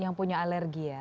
yang punya alergi ya